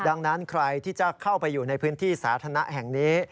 ดังนั้นใครที่จะเข้าไปอยู่ในพื้นที่สาธารณะแห่งนี้